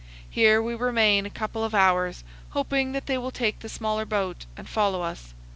Here we remain a couple of hours, hoping that they will take the smaller boat and follow us.